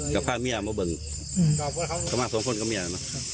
กับพ่อเมียมาบึงก็มาสองคนกับเมียนะ